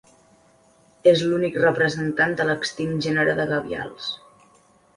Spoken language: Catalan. És l'únic representant de l'extint gènere de gavials.